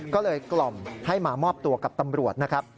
ก็เลยกล่อมให้มามอบตัวกับตำรวจนะครับ